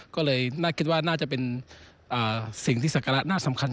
ก็เลยน่าคิดว่าน่าจะเป็นสิ่งที่ศักระน่าสำคัญ